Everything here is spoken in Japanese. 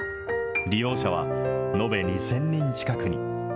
利用者は、延べ２０００人近くに。